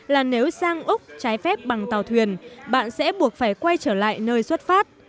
là nếu sang úc trái phép bằng tàu thuyền bạn sẽ buộc phải quay trở lại nơi xuất phát